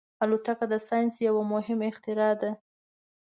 الوتکه د ساینس یو مهم اختراع ده.